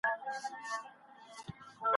څه ډول د ژوند له سختیو سره ځان اموخته کړو؟